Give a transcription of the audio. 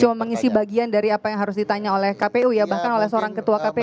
cuma mengisi bagian dari apa yang harus ditanya oleh kpu ya bahkan oleh seorang ketua kpu